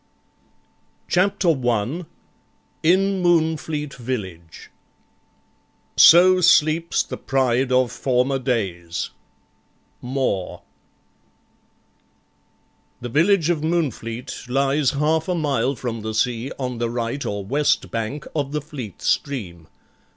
CHAPTER 1 IN MOONFLEET VILLAGE So sleeps the pride of former days More The village of Moonfleet lies half a mile from the sea on the right or west bank of the Fleet stream.